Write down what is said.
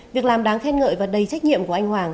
việc làm đáng khen ngợi và đầy trách nhiệm của anh hoàng